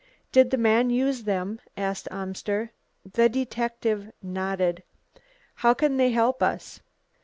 "Did the man use them?" asked Amster. The detective nodded. "How can they help us?"